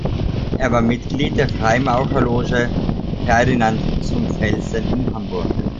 Er war Mitglied der Freimaurerloge "Ferdinand zum Felsen" in Hamburg.